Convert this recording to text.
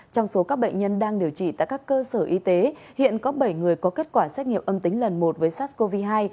trong số các bệnh nhân đang điều trị tại các cơ sở y tế hiện có bảy người có kết quả xét nghiệm âm tính lần một với sars cov hai